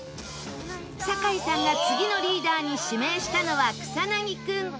酒井さんが次のリーダーに指名したのは草薙君